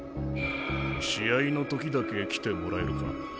試合の時だけ来てもらえるか？